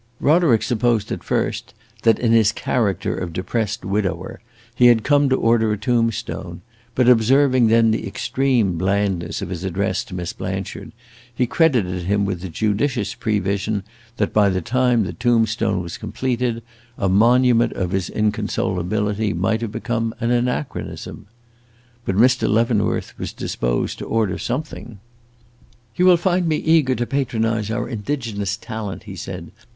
Roderick supposed at first that, in his character of depressed widower, he had come to order a tombstone; but observing then the extreme blandness of his address to Miss Blanchard, he credited him with a judicious prevision that by the time the tombstone was completed, a monument of his inconsolability might have become an anachronism. But Mr. Leavenworth was disposed to order something. "You will find me eager to patronize our indigenous talent," he said.